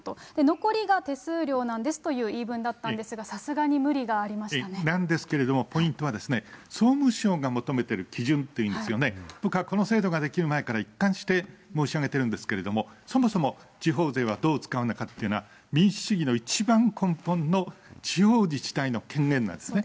残りが手数料なんですという言い分だったんですが、さすがに無理なんですけれども、ポイントは総務省が求めてる基準っていいますよね、僕はこの制度が出来る前から一貫して申し上げているんですけれども、そもそも地方税はどう使うのかっていうのは、民主主義の一番根本の地方自治体の権限なんですね。